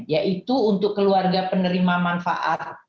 yaitu untuk keluarga penerima manfaat